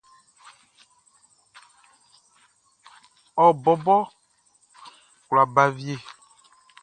Ɔ bɔbɔ kwla ba wie.